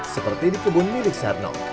seperti di kebun milik sarno